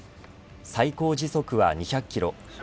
最高時速は２００キロ